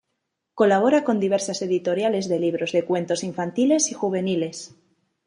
Colabora con diversas editoriales de libros de cuentos infantiles y juveniles.